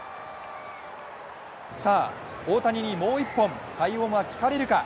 さあ、大谷にもう１本、快音は聞かれるか。